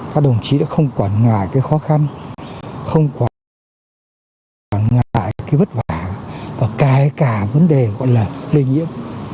các đồng chí đã không quản ngại cái khó khăn không quản ngại cái vất vả và kể cả vấn đề gọi là lây nhiễm